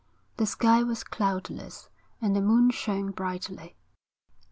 The sky was cloudless, and the moon shone brightly.